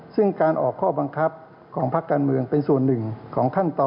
ซึ่งการออกข้อบังคับของพักการเมืองเป็นส่วนหนึ่งของขั้นตอน